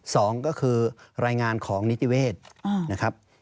สองก็คือรายงานของนิติเวศนะครับ